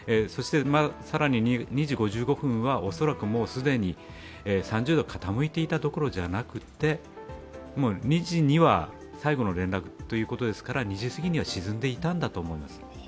更に、２時５５分は恐らく既に３０度傾いていたところじゃなくて、２時には最後の連絡ということですから、２時過ぎには沈んでいたんだと思います。